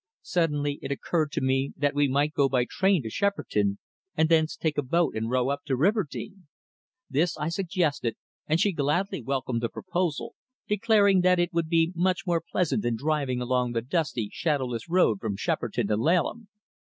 Suddenly it occurred to me that we might go by train to Shepperton, and thence take a boat and row up to Riverdene. This I suggested, and she gladly welcomed the proposal, declaring that it would be much more pleasant than driving along the dusty, shadowless road from Shepperton to Laleham.